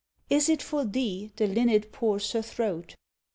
Is it for thee, the Linnet POURS HER THROAT?